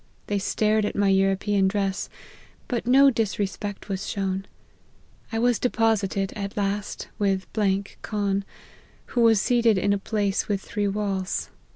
They stared at my European dress, but no disrespect was shown. I was deposited, at last, with Khan, who was seated in a place with three walls.